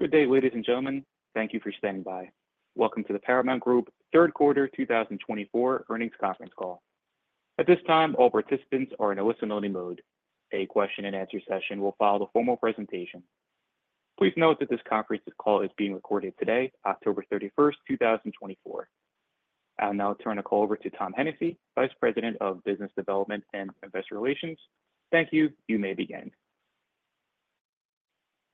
Good day, ladies and gentlemen. Thank you for standing by. Welcome to the Paramount Group Third Quarter 2024 Earnings Conference Call. At this time, all participants are in a listen-only mode. A question-and-answer session will follow the formal presentation. Please note that this conference call is being recorded today, October 31st, 2024. I'll now turn the call over to Tom Hennessy, Vice President of Business Development and Investor Relations. Thank you. You may begin.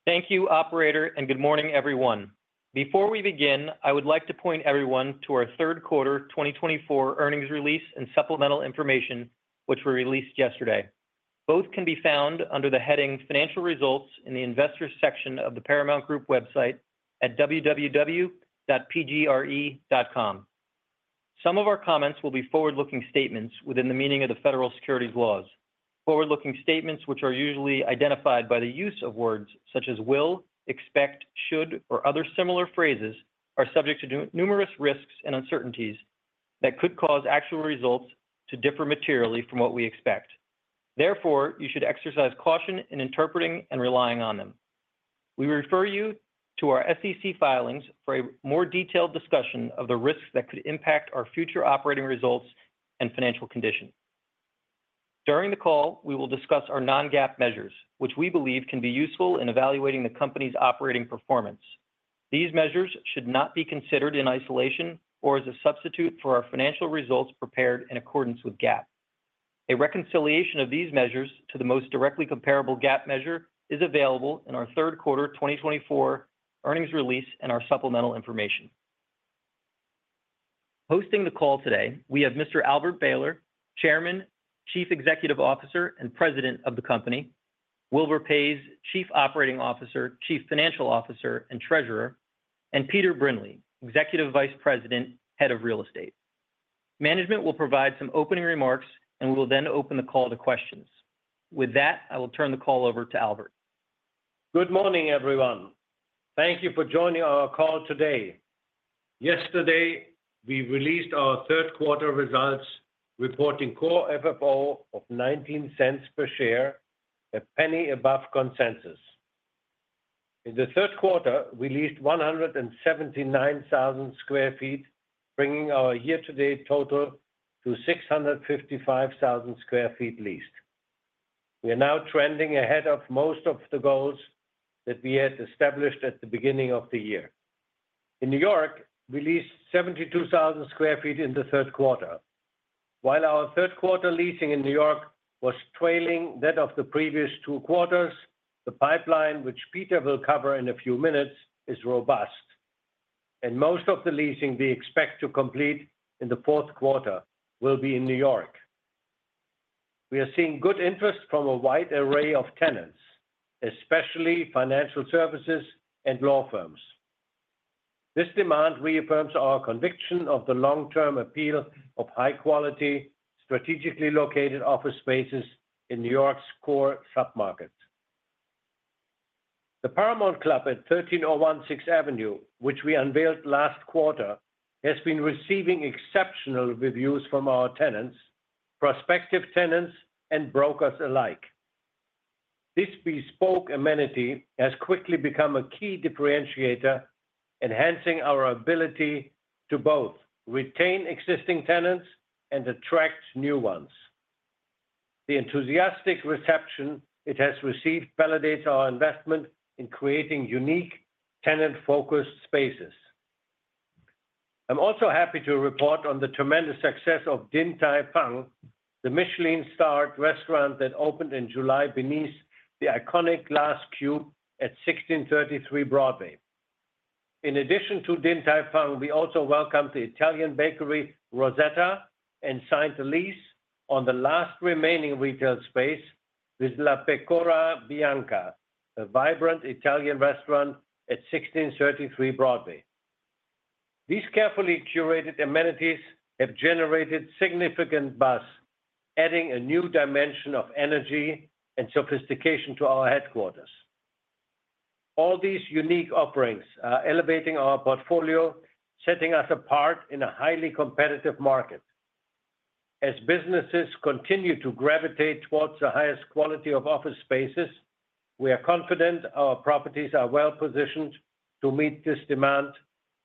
Thank you, Operator, and good morning, everyone. Before we begin, I would like to point everyone to our third quarter 2024 earnings release and supplemental information, which were released yesterday. Both can be found under the heading Financial Results in the Investor Section of the Paramount Group website at www.pgre.com. Some of our comments will be forward-looking statements within the meaning of the federal securities laws. Forward-looking statements, which are usually identified by the use of words such as will, expect, should, or other similar phrases, are subject to numerous risks and uncertainties that could cause actual results to differ materially from what we expect. Therefore, you should exercise caution in interpreting and relying on them. We refer you to our SEC filings for a more detailed discussion of the risks that could impact our future operating results and financial condition. During the call, we will discuss our non-GAAP measures, which we believe can be useful in evaluating the company's operating performance. These measures should not be considered in isolation or as a substitute for our financial results prepared in accordance with GAAP. A reconciliation of these measures to the most directly comparable GAAP measure is available in our third quarter 2024 earnings release and our supplemental information. Hosting the call today, we have Mr. Albert Behler, Chairman, Chief Executive Officer, and President of the company, Wilbur Paes, Chief Operating Officer, Chief Financial Officer, and Treasurer, and Peter Brindley, Executive Vice President, Head of Real Estate. Management will provide some opening remarks and will then open the call to questions. With that, I will turn the call over to Albert. Good morning, everyone. Thank you for joining our call today. Yesterday, we released our third quarter results, reporting Core FFO of $0.19 per share, a penny above consensus. In the third quarter, we leased 179,000 sq ft, bringing our year-to-date total to 655,000 sq ft leased. We are now trending ahead of most of the goals that we had established at the beginning of the year. In New York, we leased 72,000 sq ft in the third quarter. While our third quarter leasing in New York was trailing that of the previous two quarters, the pipeline, which Peter will cover in a few minutes, is robust, and most of the leasing we expect to complete in the fourth quarter will be in New York. We are seeing good interest from a wide array of tenants, especially financial services and law firms. This demand reaffirms our conviction of the long-term appeal of high-quality, strategically located office spaces in New York's core submarket. The Paramount Club at 1301 Sixth Avenue, which we unveiled last quarter, has been receiving exceptional reviews from our tenants, prospective tenants, and brokers alike. This bespoke amenity has quickly become a key differentiator, enhancing our ability to both retain existing tenants and attract new ones. The enthusiastic reception it has received validates our investment in creating unique tenant-focused spaces. I'm also happy to report on the tremendous success of Din Tai Fung, the Michelin-starred restaurant that opened in July beneath the iconic glass cube at 1633 Broadway. In addition to Din Tai Fung, we also welcomed the Italian bakery Roscioli and signed the lease on the last remaining retail space, La Pecora Bianca, a vibrant Italian restaurant at 1633 Broadway. These carefully curated amenities have generated significant buzz, adding a new dimension of energy and sophistication to our headquarters. All these unique offerings are elevating our portfolio, setting us apart in a highly competitive market. As businesses continue to gravitate towards the highest quality of office spaces, we are confident our properties are well-positioned to meet this demand,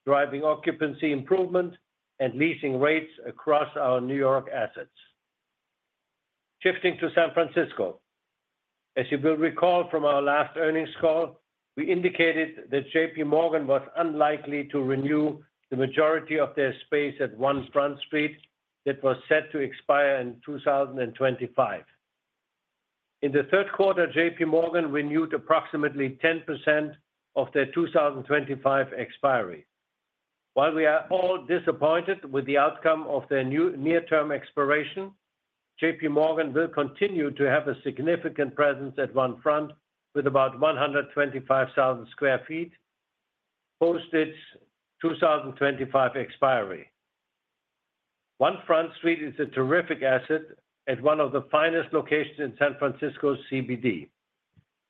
driving occupancy improvement and leasing rates across our New York assets. Shifting to San Francisco, as you will recall from our last earnings call, we indicated that J.P. Morgan was unlikely to renew the majority of their space at 1 Front Street that was set to expire in 2025. In the third quarter, J.P. Morgan renewed approximately 10% of their 2025 expiry. While we are all disappointed with the outcome of their near-term expiration, J.P. Morgan will continue to have a significant presence at 1 Front with about 125,000 sq ft post its 2025 expiry. 1 Front Street is a terrific asset at one of the finest locations in San Francisco's CBD.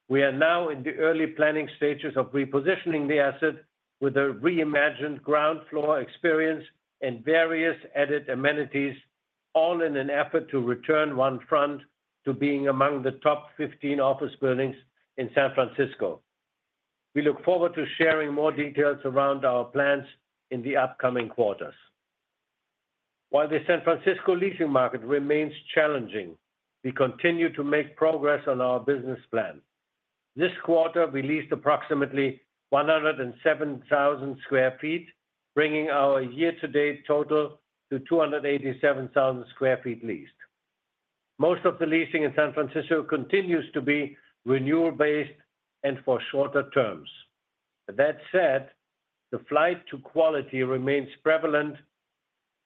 We are now in the early planning stages of repositioning the asset with a reimagined ground floor experience and various added amenities, all in an effort to return 1 Front to being among the top 15 office buildings in San Francisco. We look forward to sharing more details around our plans in the upcoming quarters. While the San Francisco leasing market remains challenging, we continue to make progress on our business plan. This quarter, we leased approximately 107,000 sq ft, bringing our year-to-date total to 287,000 sq ft leased. Most of the leasing in San Francisco continues to be renewal-based and for shorter terms. That said, the flight to quality remains prevalent,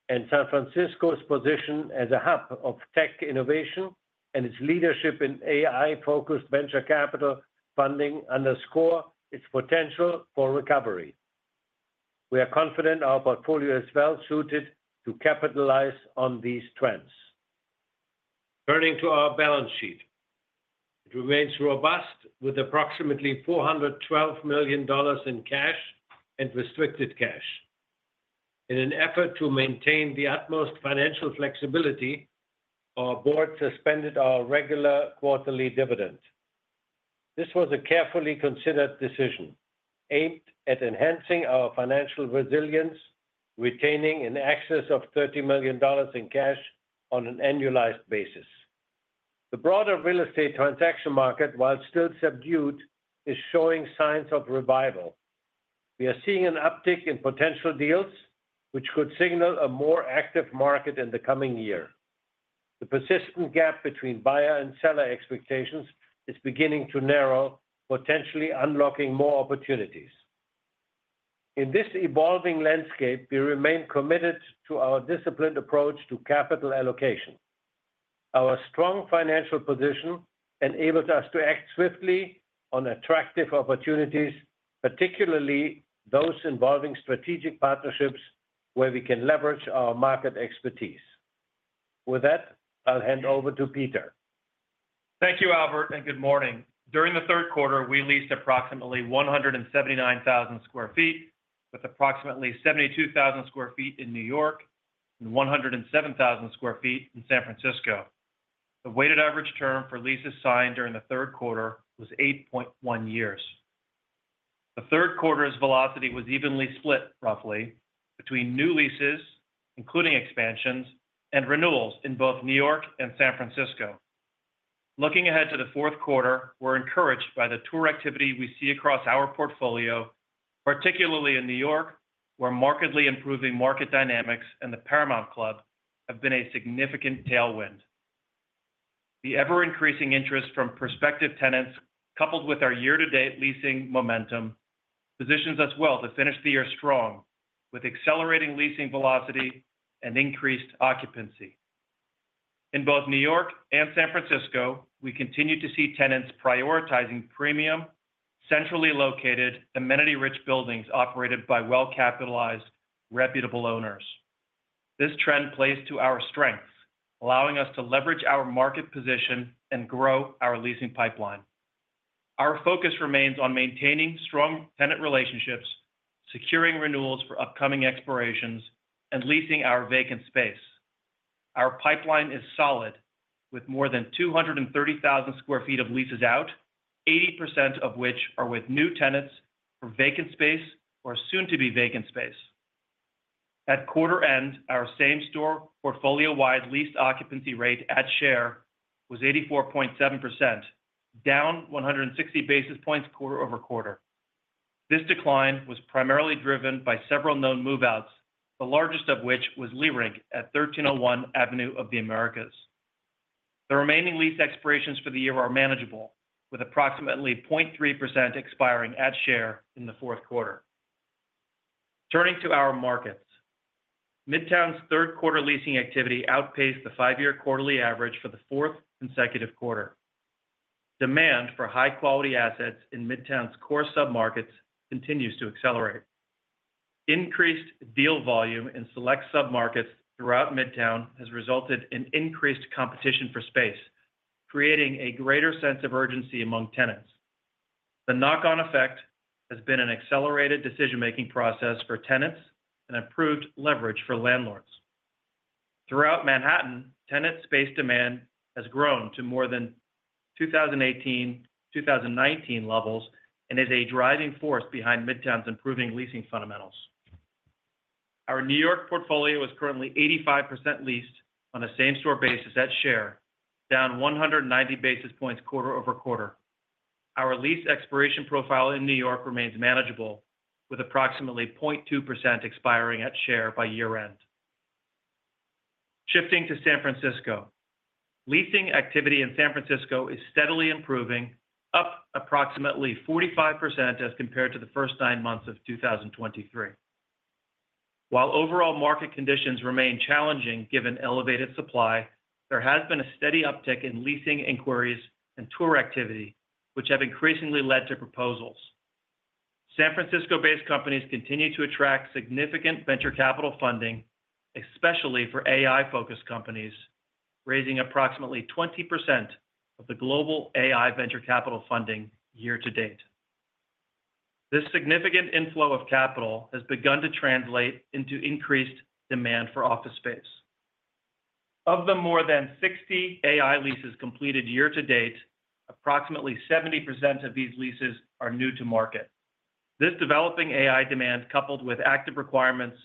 and San Francisco's position as a hub of tech innovation and its leadership in AI-focused venture capital funding underscore its potential for recovery. We are confident our portfolio is well-suited to capitalize on these trends. Turning to our balance sheet, it remains robust with approximately $412 million in cash and restricted cash. In an effort to maintain the utmost financial flexibility, our board suspended our regular quarterly dividend. This was a carefully considered decision aimed at enhancing our financial resilience, retaining an excess of $30 million in cash on an annualized basis. The broader real estate transaction market, while still subdued, is showing signs of revival. We are seeing an uptick in potential deals, which could signal a more active market in the coming year. The persistent gap between buyer and seller expectations is beginning to narrow, potentially unlocking more opportunities. In this evolving landscape, we remain committed to our disciplined approach to capital allocation. Our strong financial position enables us to act swiftly on attractive opportunities, particularly those involving strategic partnerships where we can leverage our market expertise. With that, I'll hand over to Peter. Thank you, Albert, and good morning. During the third quarter, we leased approximately 179,000 sq ft, with approximately 72,000 sq ft in New York and 107,000 sq ft in San Francisco. The weighted average term for leases signed during the third quarter was 8.1 years. The third quarter's velocity was evenly split, roughly, between new leases, including expansions, and renewals in both New York and San Francisco. Looking ahead to the fourth quarter, we're encouraged by the tour activity we see across our portfolio, particularly in New York, where markedly improving market dynamics and the Paramount Club have been a significant tailwind. The ever-increasing interest from prospective tenants, coupled with our year-to-date leasing momentum, positions us well to finish the year strong, with accelerating leasing velocity and increased occupancy. In both New York and San Francisco, we continue to see tenants prioritizing premium, centrally located, amenity-rich buildings operated by well-capitalized, reputable owners. This trend plays to our strengths, allowing us to leverage our market position and grow our leasing pipeline. Our focus remains on maintaining strong tenant relationships, securing renewals for upcoming expirations, and leasing our vacant space. Our pipeline is solid, with more than 230,000 sq ft of leases out, 80% of which are with new tenants for vacant space or soon-to-be-vacant space. At quarter end, our same-store portfolio-wide leased occupancy rate at share was 84.7%, down 160 basis points quarter over quarter. This decline was primarily driven by several known move-outs, the largest of which was Leerink at 1301 Avenue of the Americas. The remaining lease expirations for the year are manageable, with approximately 0.3% expiring at share in the fourth quarter. Turning to our markets, Midtown's third-quarter leasing activity outpaced the five-year quarterly average for the fourth consecutive quarter. Demand for high-quality assets in Midtown's core submarkets continues to accelerate. Increased deal volume in select submarkets throughout Midtown has resulted in increased competition for space, creating a greater sense of urgency among tenants. The knock-on effect has been an accelerated decision-making process for tenants and improved leverage for landlords. Throughout Manhattan, tenant space demand has grown to more than 2018-2019 levels and is a driving force behind Midtown's improving leasing fundamentals. Our New York portfolio is currently 85% leased on a same-store basis at share, down 190 basis points quarter over quarter. Our lease expiration profile in New York remains manageable, with approximately 0.2% expiring at share by year-end. Shifting to San Francisco, leasing activity in San Francisco is steadily improving, up approximately 45% as compared to the first nine months of 2023. While overall market conditions remain challenging given elevated supply, there has been a steady uptick in leasing inquiries and tour activity, which have increasingly led to proposals. San Francisco-based companies continue to attract significant venture capital funding, especially for AI-focused companies, raising approximately 20% of the global AI venture capital funding year-to-date. This significant inflow of capital has begun to translate into increased demand for office space. Of the more than 60 AI leases completed year-to-date, approximately 70% of these leases are new to market. This developing AI demand, coupled with active requirements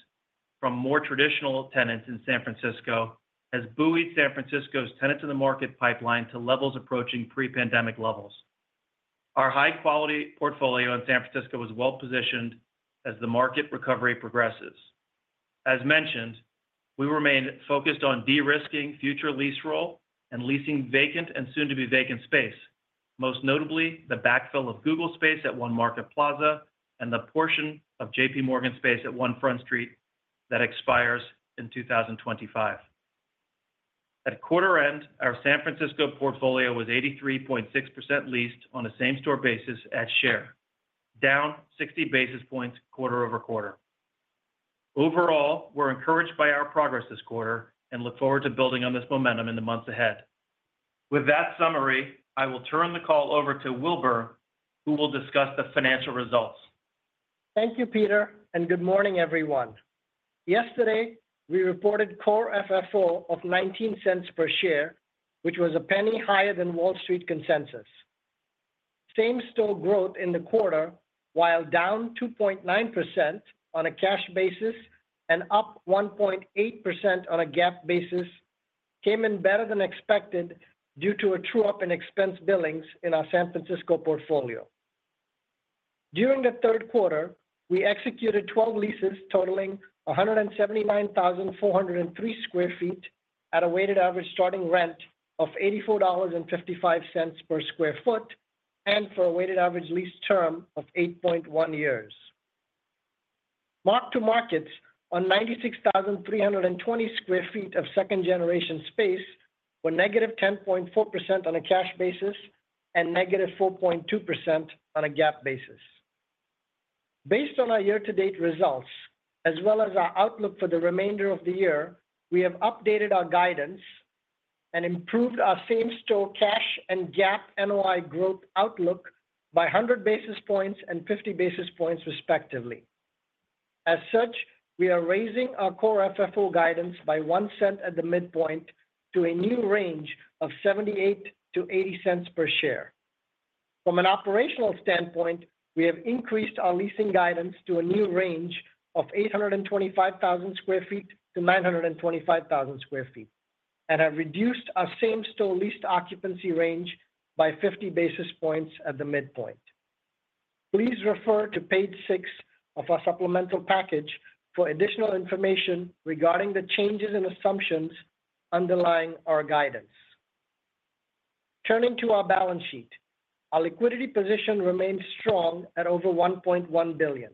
from more traditional tenants in San Francisco, has buoyed San Francisco's tenants-in-the-market pipeline to levels approaching pre-pandemic levels. Our high-quality portfolio in San Francisco is well-positioned as the market recovery progresses. As mentioned, we remain focused on de-risking future lease roll and leasing vacant and soon-to-be-vacant space, most notably the backfill of Google space at 1 Market Plaza and the portion of J.P. Morgan space at 1 Front Street that expires in 2025. At quarter end, our San Francisco portfolio was 83.6% leased on a same-store basis at share, down 60 basis points quarter over quarter. Overall, we're encouraged by our progress this quarter and look forward to building on this momentum in the months ahead. With that summary, I will turn the call over to Wilbur, who will discuss the financial results. Thank you, Peter, and good morning, everyone. Yesterday, we reported Core FFO of $0.19 per share, which was $0.01 higher than Wall Street consensus. Same-store growth in the quarter, while down 2.9% on a cash basis and up 1.8% on a GAAP basis, came in better than expected due to a true-up in expense billings in our San Francisco portfolio. During the third quarter, we executed 12 leases totaling 179,403 sq ft at a weighted average starting rent of $84.55 per sq ft and for a weighted average lease term of 8.1 years. Mark-to-markets on 96,320 sq ft of second-generation space were negative 10.4% on a cash basis and negative 4.2% on a GAAP basis. Based on our year-to-date results, as well as our outlook for the remainder of the year, we have updated our guidance and improved our same-store cash and GAAP NOI growth outlook by 100 basis points and 50 basis points, respectively. As such, we are raising our Core FFO guidance by $0.01 at the midpoint to a new range of $0.78-$0.80 per share. From an operational standpoint, we have increased our leasing guidance to a new range of 825,000 sq ft to 925,000 sq ft and have reduced our same-store leased occupancy range by 50 basis points at the midpoint. Please refer to page six of our supplemental package for additional information regarding the changes and assumptions underlying our guidance. Turning to our balance sheet, our liquidity position remains strong at over $1.1 billion.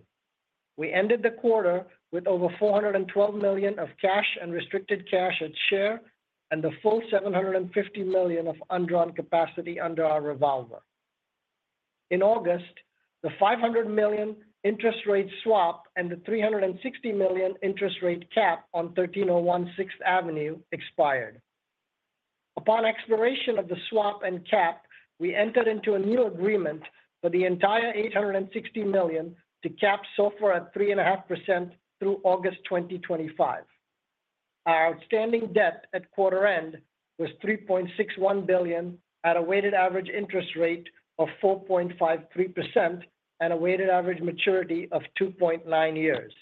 We ended the quarter with over $412 million of cash and restricted cash on hand and the full $750 million of undrawn capacity under our revolver. In August, the $500 million interest rate swap and the $360 million interest rate cap on 1301 Sixth Avenue expired. Upon expiration of the swap and cap, we entered into a new agreement for the entire $860 million to cap SOFR at 3.5% through August 2025. Our outstanding debt at quarter end was $3.61 billion at a weighted average interest rate of 4.53% and a weighted average maturity of 2.9 years.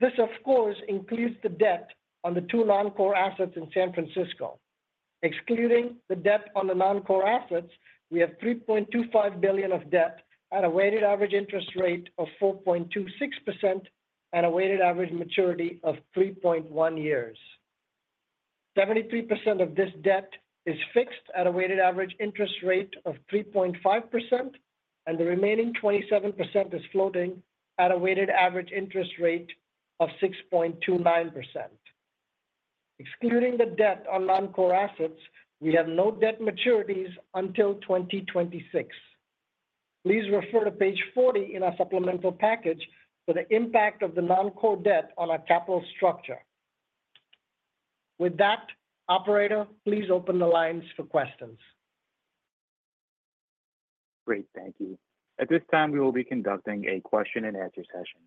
This, of course, includes the debt on the two non-core assets in San Francisco. Excluding the debt on the non-core assets, we have $3.25 billion of debt at a weighted average interest rate of 4.26% and a weighted average maturity of 3.1 years. 73% of this debt is fixed at a weighted average interest rate of 3.5%, and the remaining 27% is floating at a weighted average interest rate of 6.29%. Excluding the debt on non-core assets, we have no debt maturities until 2026. Please refer to page 40 in our supplemental package for the impact of the non-core debt on our capital structure. With that, Operator, please open the lines for questions. Great. Thank you. At this time, we will be conducting a question-and-answer session.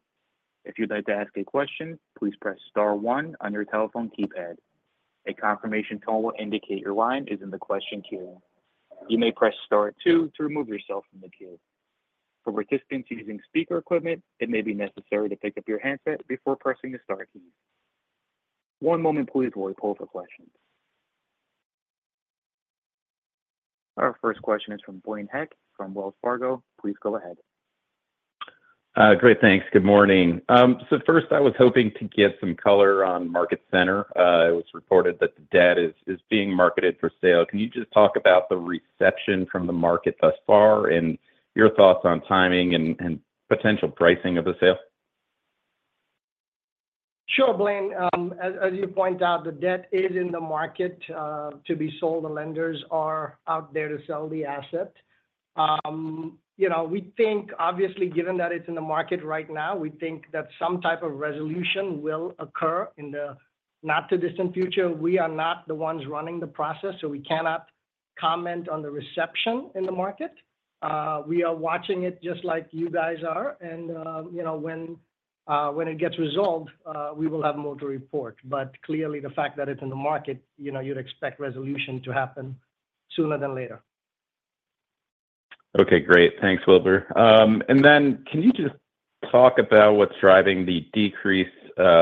If you'd like to ask a question, please press star one on your telephone keypad. A confirmation tone will indicate your line is in the question queue. You may press star two to remove yourself from the queue. For participants using speaker equipment, it may be necessary to pick up your handset before pressing the star key. One moment, please, while we pull up the questions. Our first question is from Blaine Heck from Wells Fargo. Please go ahead. Great. Thanks. Good morning. So first, I was hoping to get some color on Market Center. It was reported that the debt is being marketed for sale. Can you just talk about the reception from the market thus far and your thoughts on timing and potential pricing of the sale? Sure, Blaine. As you point out, the debt is in the market to be sold. The lenders are out there to sell the asset. We think, obviously, given that it's in the market right now, we think that some type of resolution will occur in the not-too-distant future. We are not the ones running the process, so we cannot comment on the reception in the market. We are watching it just like you guys are. And when it gets resolved, we will have more to report. But clearly, the fact that it's in the market, you'd expect resolution to happen sooner than later. Okay. Great. Thanks, Wilbur, and then can you just talk about what's driving the decreased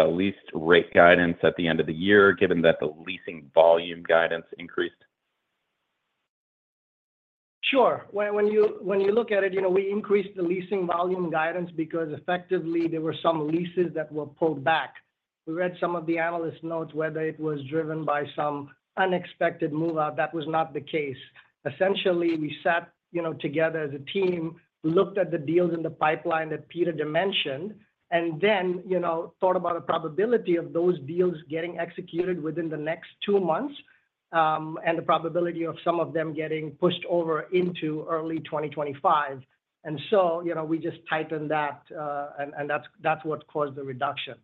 lease rate guidance at the end of the year, given that the leasing volume guidance increased? Sure. When you look at it, we increased the leasing volume guidance because, effectively, there were some leases that were pulled back. We read some of the analyst notes, whether it was driven by some unexpected move-out. That was not the case. Essentially, we sat together as a team, looked at the deals in the pipeline that Peter had mentioned, and then thought about the probability of those deals getting executed within the next two months and the probability of some of them getting pushed over into early 2025. And so we just tightened that, and that's what caused the reduction.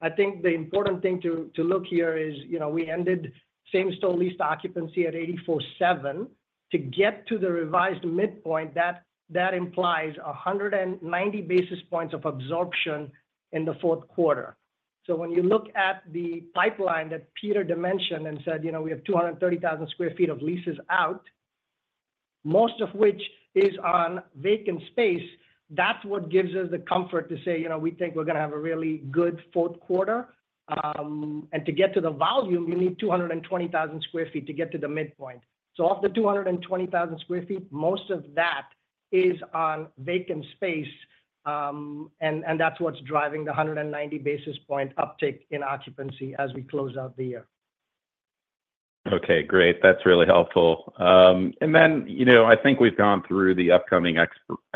I think the important thing to look here is we ended same-store leased occupancy at 84.7 to get to the revised midpoint. That implies 190 basis points of absorption in the fourth quarter. When you look at the pipeline that Peter had mentioned and said, "We have 230,000 sq ft of leases out," most of which is on vacant space, that's what gives us the comfort to say we think we're going to have a really good fourth quarter. To get to the volume, you need 220,000 sq ft to get to the midpoint. Of the 220,000 sq ft, most of that is on vacant space, and that's what's driving the 190 basis point uptick in occupancy as we close out the year. Okay. Great. That's really helpful. And then I think we've gone through the upcoming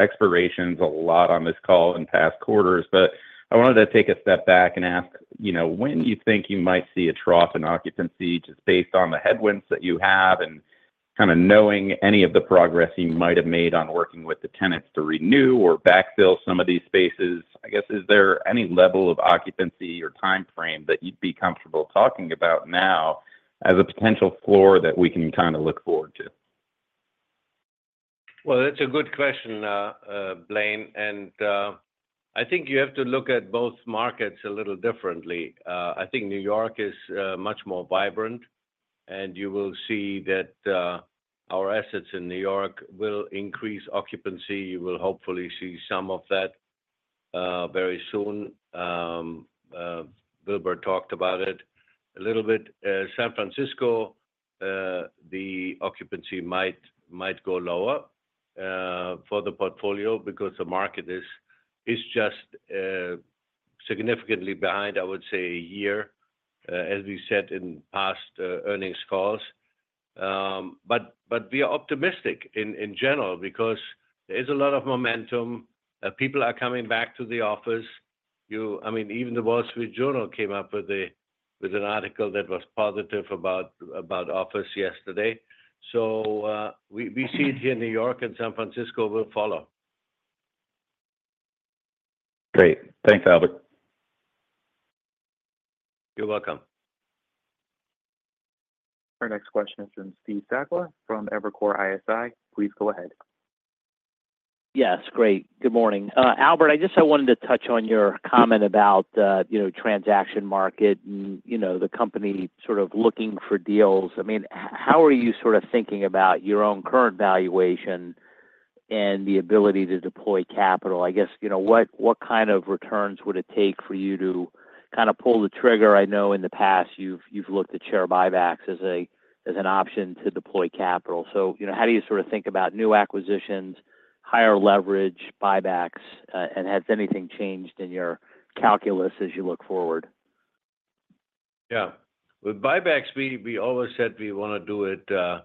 expirations a lot on this call in past quarters, but I wanted to take a step back and ask, when do you think you might see a trough in occupancy just based on the headwinds that you have and kind of knowing any of the progress you might have made on working with the tenants to renew or backfill some of these spaces? I guess, is there any level of occupancy or time frame that you'd be comfortable talking about now as a potential floor that we can kind of look forward to? Well, that's a good question, Blaine. And I think you have to look at both markets a little differently. I think New York is much more vibrant, and you will see that our assets in New York will increase occupancy. You will hopefully see some of that very soon. Wilbur talked about it a little bit. San Francisco, the occupancy might go lower for the portfolio because the market is just significantly behind, I would say, a year, as we said in past earnings calls. But we are optimistic in general because there is a lot of momentum. People are coming back to the office. I mean, even The Wall Street Journal came up with an article that was positive about office yesterday. So we see it here in New York and San Francisco will follow. Great. Thanks, Albert. You're welcome. Our next question is from Steve Sakwa from Evercore ISI. Please go ahead. Yes. Great. Good morning. Albert, I just wanted to touch on your comment about transaction market and the company sort of looking for deals. I mean, how are you sort of thinking about your own current valuation and the ability to deploy capital? I guess, what kind of returns would it take for you to kind of pull the trigger? I know in the past, you've looked at share buybacks as an option to deploy capital. So how do you sort of think about new acquisitions, higher leverage, buybacks? And has anything changed in your calculus as you look forward? Yeah. With buybacks, we always said we want to do it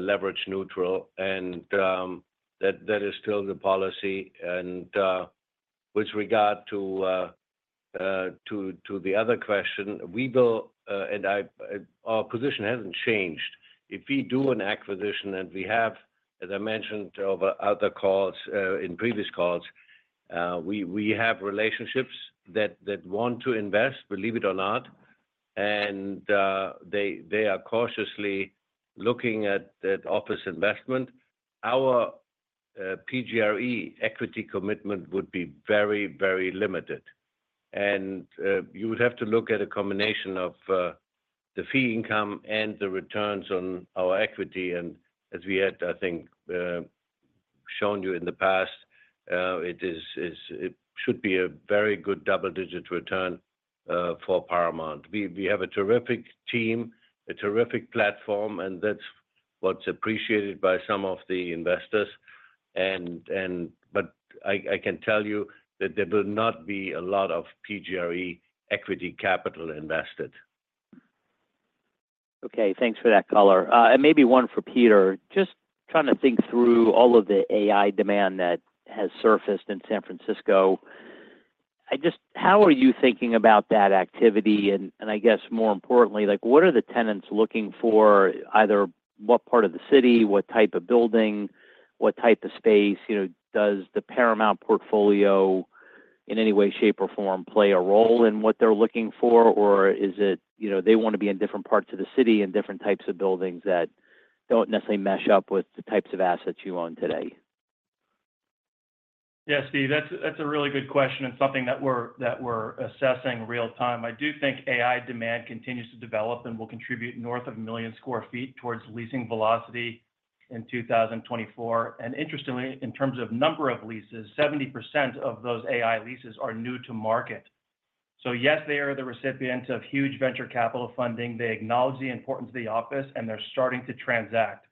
leverage neutral, and that is still the policy. And with regard to the other question, we will, and our position hasn't changed. If we do an acquisition and we have, as I mentioned over other calls in previous calls, we have relationships that want to invest, believe it or not, and they are cautiously looking at office investment. Our PGRE equity commitment would be very, very limited. And you would have to look at a combination of the fee income and the returns on our equity. And as we had, I think, shown you in the past, it should be a very good double-digit return for Paramount. We have a terrific team, a terrific platform, and that's what's appreciated by some of the investors. But I can tell you that there will not be a lot of PGRE equity capital invested. Okay. Thanks for that color. And maybe one for Peter. Just trying to think through all of the AI demand that has surfaced in San Francisco. How are you thinking about that activity? And I guess, more importantly, what are the tenants looking for? Either what part of the city, what type of building, what type of space? Does the Paramount portfolio, in any way, shape, or form, play a role in what they're looking for? Or is it they want to be in different parts of the city and different types of buildings that don't necessarily mesh up with the types of assets you own today? Yeah, Steve, that's a really good question and something that we're assessing real-time. I do think AI demand continues to develop and will contribute north of a million sq ft towards leasing velocity in 2024. And interestingly, in terms of number of leases, 70% of those AI leases are new to market. So yes, they are the recipients of huge venture capital funding. They acknowledge the importance of the office, and they're starting to transact.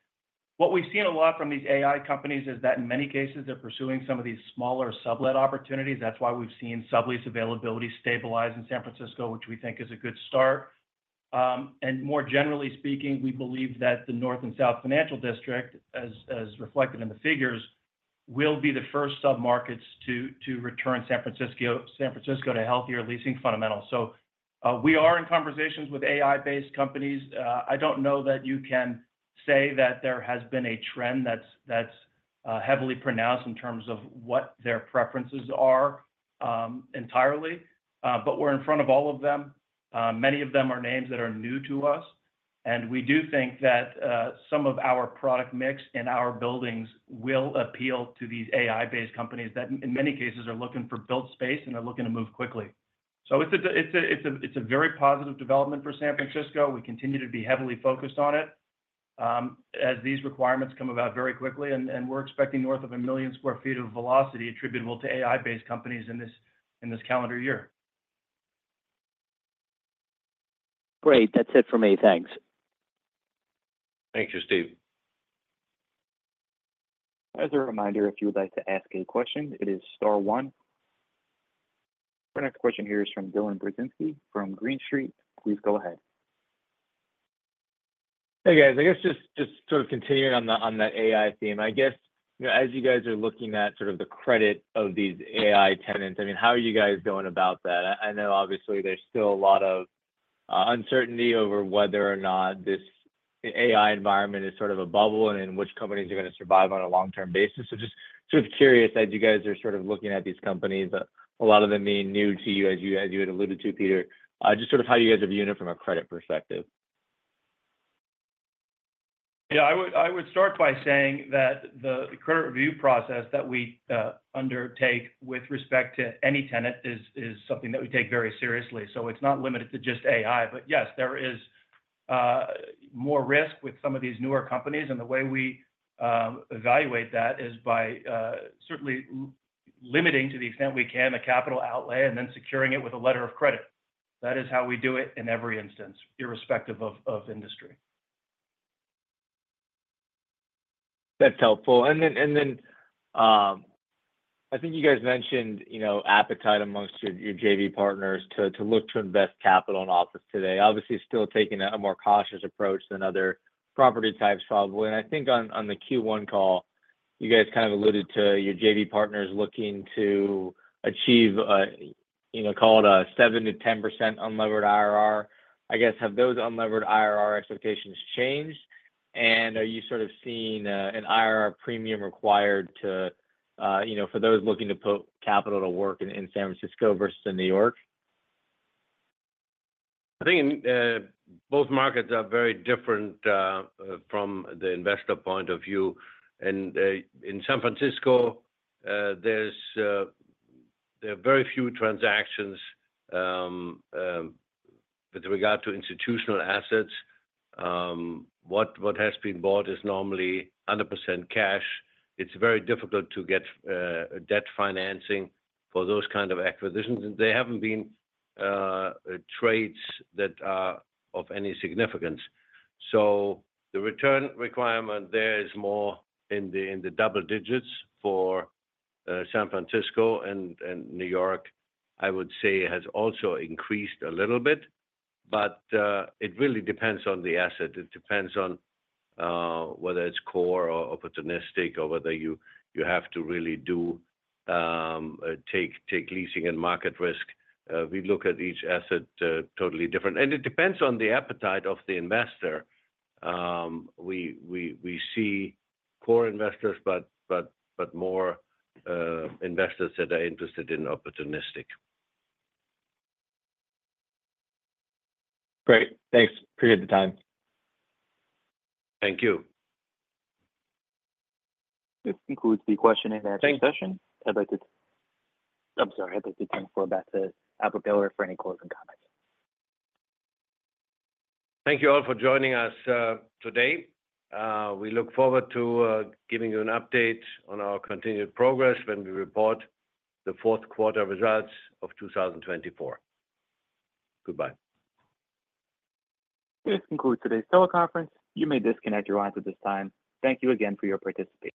What we've seen a lot from these AI companies is that, in many cases, they're pursuing some of these smaller sublet opportunities. That's why we've seen sublet availability stabilize in San Francisco, which we think is a good start. And more generally speaking, we believe that the North and South Financial District, as reflected in the figures, will be the first submarkets to return San Francisco to healthier leasing fundamentals. So we are in conversations with AI-based companies. I don't know that you can say that there has been a trend that's heavily pronounced in terms of what their preferences are entirely, but we're in front of all of them. Many of them are names that are new to us. And we do think that some of our product mix in our buildings will appeal to these AI-based companies that, in many cases, are looking for built space and are looking to move quickly. So it's a very positive development for San Francisco. We continue to be heavily focused on it as these requirements come about very quickly. And we're expecting north of a million sq ft of velocity attributable to AI-based companies in this calendar year. Great. That's it for me. Thanks. Thank you, Steve. As a reminder, if you would like to ask a question, it is star one. Our next question here is from Dylan Burzinski from Green Street. Please go ahead. Hey, guys. I guess just sort of continuing on that AI theme, I guess, as you guys are looking at sort of the credit of these AI tenants, I mean, how are you guys going about that? I know, obviously, there's still a lot of uncertainty over whether or not this AI environment is sort of a bubble and in which companies are going to survive on a long-term basis. So just sort of curious, as you guys are sort of looking at these companies, a lot of them being new to you, as you had alluded to, Peter, just sort of how you guys are viewing it from a credit perspective? Yeah. I would start by saying that the credit review process that we undertake with respect to any tenant is something that we take very seriously. So it's not limited to just AI. But yes, there is more risk with some of these newer companies. And the way we evaluate that is by certainly limiting, to the extent we can, the capital outlay and then securing it with a letter of credit. That is how we do it in every instance, irrespective of industry. That's helpful. And then I think you guys mentioned appetite amongst your JV partners to look to invest capital in office today. Obviously, still taking a more cautious approach than other property types, probably. And I think on the Q1 call, you guys kind of alluded to your JV partners looking to achieve, call it a 7%-10% unlevered IRR. I guess, have those unlevered IRR expectations changed? And are you sort of seeing an IRR premium required for those looking to put capital to work in San Francisco versus in New York? I think both markets are very different from the investor point of view, and in San Francisco, there are very few transactions with regard to institutional assets. What has been bought is normally 100% cash. It's very difficult to get debt financing for those kinds of acquisitions, and there haven't been trades that are of any significance, so the return requirement there is more in the double digits for San Francisco. New York, I would say, has also increased a little bit, but it really depends on the asset. It depends on whether it's core or opportunistic or whether you have to really take leasing and market risk. We look at each asset totally different, and it depends on the appetite of the investor. We see core investors, but more investors that are interested in opportunistic. Great. Thanks. Appreciate the time. Thank you. This concludes the question and answer session. Thanks. I'm sorry. I'd like to turn it over to Albert Behler for any closing comments. Thank you all for joining us today. We look forward to giving you an update on our continued progress when we report the fourth quarter results of 2024. Goodbye. This concludes today's teleconference. You may disconnect your lines at this time. Thank you again for your participation.